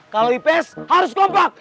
kalau ipes harus kompak